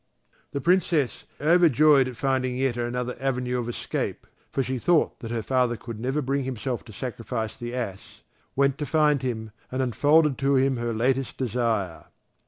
The Princess, overjoyed at finding yet another avenue of escape; for she thought that her father could never bring himself to sacrifice the ass, went to find him, and unfolded to him her latest desire.